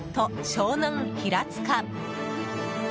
湘南平塚。